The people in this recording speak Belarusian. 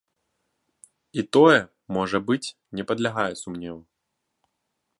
І тое, можа быць, не падлягае сумневу.